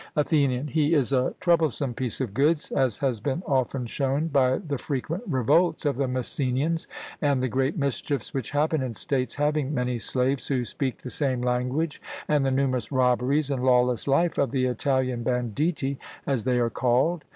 ATHENIAN: He is a troublesome piece of goods, as has been often shown by the frequent revolts of the Messenians, and the great mischiefs which happen in states having many slaves who speak the same language, and the numerous robberies and lawless life of the Italian banditti, as they are called.